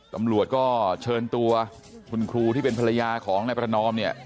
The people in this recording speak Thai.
ตำรวจก็เชิญตัวคุณครูที่เป็นภรรยาของนายประนอมเนี่ย